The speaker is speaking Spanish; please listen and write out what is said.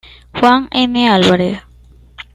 Juan N. Álvarez.